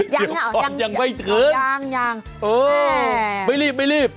ยังเหรอยังไม่รีบ